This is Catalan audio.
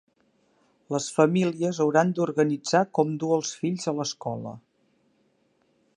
Les famílies hauran d'organitzar com dur els fills a l'escola.